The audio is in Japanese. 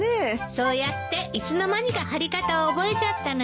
そうやっていつの間にか張り方を覚えちゃったのよね。